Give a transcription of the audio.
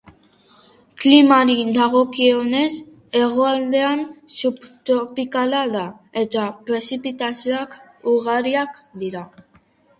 Klimari dagokionez, hegoaldean subtropikala da, eta prezipitazioak ugariak dira.